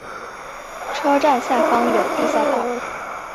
车站下方有地下道。